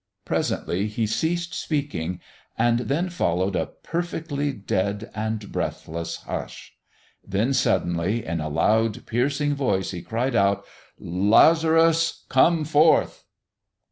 Presently He ceased speaking, and then followed a perfectly dead and breathless hush. Then, suddenly, in a loud, piercing voice, He cried out, "Lazarus, come forth!"